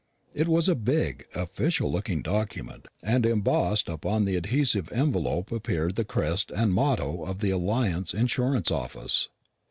It was a big, official looking document, and embossed upon the adhesive envelope appeared the crest and motto of the Alliance Insurance Office.